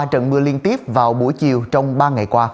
ba trận mưa liên tiếp vào buổi chiều trong ba ngày qua